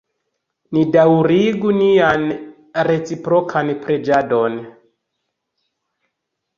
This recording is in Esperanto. Ni daŭrigu nian reciprokan preĝadon.